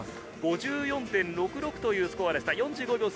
５４．６６というスコアでした。